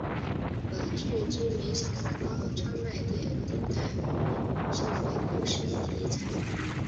本剧知名小笼包专卖店鼎泰丰做为故事题材。